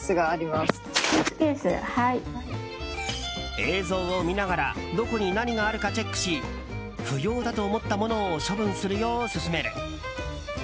映像を見ながらどこに何があるかチェックし不要だと思ったものを処分するよう勧める。